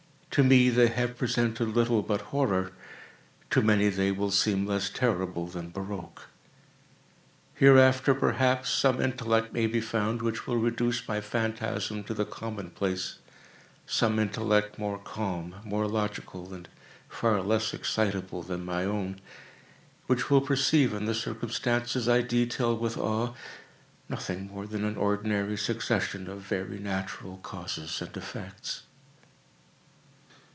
To me, they have presented little but horror—to many they will seem less terrible than barroques. Hereafter, perhaps, some intellect may be found which will reduce my phantasm to the common place—some intellect more calm, more logical, and far less excitable than my own, which will perceive, in the circumstances I detail with awe, nothing more than an ordinary succession of very natural causes and effects.